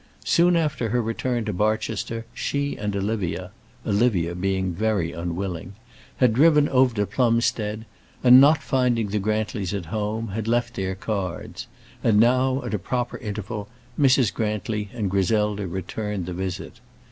Soon after her return to Barchester, she and Olivia Olivia being very unwilling had driven over to Plumstead, and, not finding the Grantlys at home, had left their cards; and now, at a proper interval, Mrs. Grantly and Griselda returned the visit.